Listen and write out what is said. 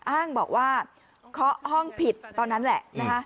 อ้างบอกว่าเคาะห้องผิดตอนนั้นแหละนะคะ